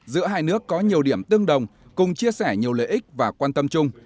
giữa hai nước có nhiều điểm tương đồng cùng chia sẻ nhiều lợi ích và quan tâm chung